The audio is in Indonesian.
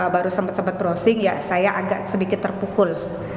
baru sempat browsing ya saya agak sedikit terpukul